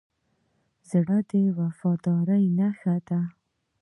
زړه د وفادارۍ نښه ده.